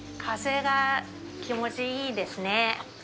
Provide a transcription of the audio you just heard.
風が気持ちいいですね。